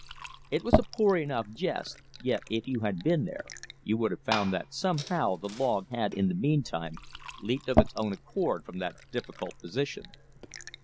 It was a poor enough jest, yet if you had been there, you would have found that somehow the log had in the meantime leaped of its own accord from that difficult position.